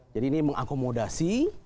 jadi ini mengakomodasi